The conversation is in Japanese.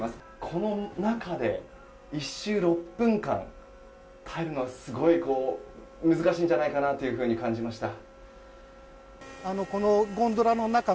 この中で１周６分間耐えるのはすごい難しいんじゃないかと思いました。